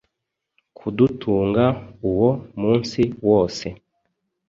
kudutunga uwo munsi wose.